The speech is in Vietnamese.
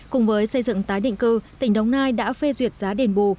cùng với xây dựng tái định cư tỉnh đống nai đã phê duyệt giá đền bù